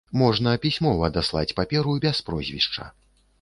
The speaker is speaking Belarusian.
Можна пісьмова даслаць паперу, без прозвішча.